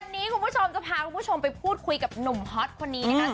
วันนี้คุณผู้ชมจะพาคุณผู้ชมไปพูดคุยกับหนุ่มฮอตคนนี้นะคะ